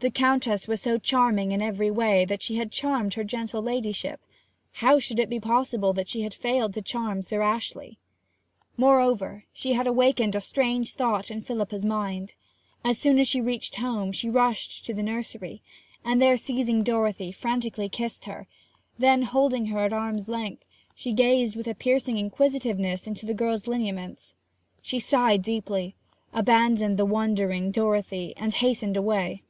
The Countess was so charming in every way that she had charmed her gentle ladyship; how should it be possible that she had failed to charm Sir Ashley? Moreover, she had awakened a strange thought in Philippa's mind. As soon as she reached home she rushed to the nursery, and there, seizing Dorothy, frantically kissed her; then, holding her at arm's length, she gazed with a piercing inquisitiveness into the girl's lineaments. She sighed deeply, abandoned the wondering Dorothy, and hastened away.